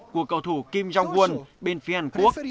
của cầu thủ kim jong un bên phía hàn quốc